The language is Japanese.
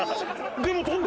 でも飛んだ！